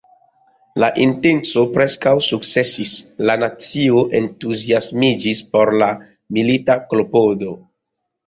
La intenco preskaŭ sukcesis: la nacio entuziasmiĝis por la milita klopodo.